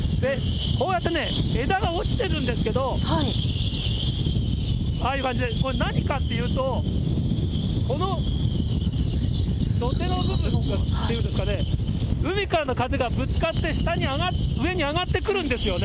こうやってね、枝が落ちてるんですけれども、これ何かっていうと、この土手の部分っていうんですかね、海からの風がぶつかって、上に上がってくるんですよね。